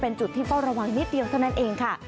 เป็นจุดที่เฝ้าระวังนิดเดียวเท่านั้นเองค่ะ